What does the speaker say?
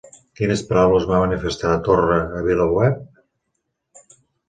Quines paraules va manifestar Torra a VilaWeb?